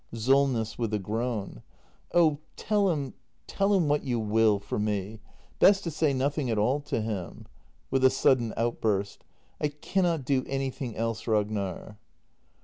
Solness. [With a groan.] Oh tell him — tell him what you will, forme. Best to say nothing at all to him! [With a sud den outburst.] I cannot do anything else, Ragnar!